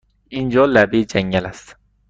اینجا لبه جنگل است!